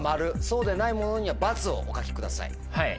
そうでないものには「×」をお書きください。